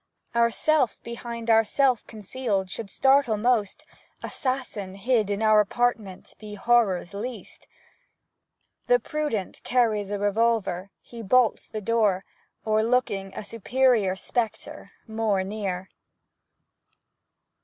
Ourself, behind ourself concealed, Should startle most ; Assassin, hid in our apartment, Be horror's least. The prudent carries a revolver, He bolts the door, O'erlooking a superior spectre More near.